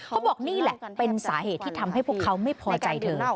เขาบอกนี่แหละเป็นสาเหตุที่ทำให้พวกเขาไม่พอใจเธอ